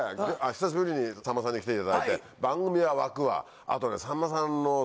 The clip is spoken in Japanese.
久しぶりにさんまさんに来ていただいて番組は沸くわあとね。